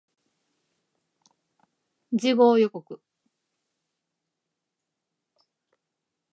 次号予告